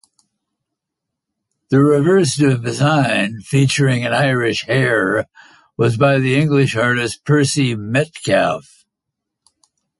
The reverse design featuring an Irish hare was by the English artist Percy Metcalfe.